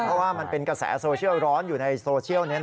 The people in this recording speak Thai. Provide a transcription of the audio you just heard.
เพราะว่ามันเป็นกระแสโซเชียลร้อนอยู่ในโซเชียล